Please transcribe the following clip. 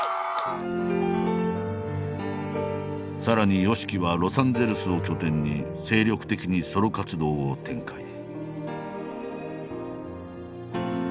さらにＹＯＳＨＩＫＩはロサンゼルスを拠点に精力的にソロ活動を展開。